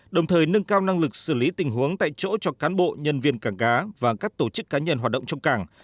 đồng thời nâng cao năng lực xử lý tình huống tại chỗ cho cán bộ nhân viên cảng cá và các tổ chức cá nhân hoạt động trong cảng